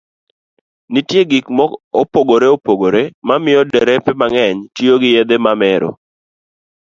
Nitie gik mopogore opogore mamiyo derepe mang'eny tiyo gi yedhe mamero.